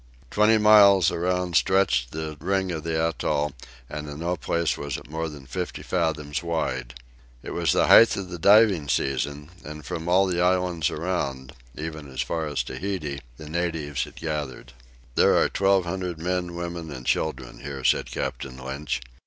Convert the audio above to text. Twenty miles around stretched the ring of the atoll, and in no place was it more than fifty fathoms wide. It was the height of the diving season, and from all the islands around, even as far as Tahiti, the natives had gathered. "There are twelve hundred men, women, and children here," said Captain Lynch.